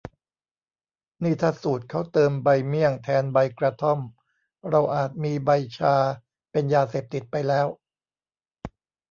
นี่ถ้าสูตรเค้าเติมใบเมี่ยงแทนใบกระท่อม เราอาจมีใบชาเป็นยาเสพติดไปแล้ว